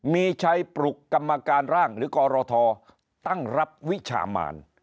มีชัยปลุกกรรมการร่างหรือกรทตั้งรับวิชามาน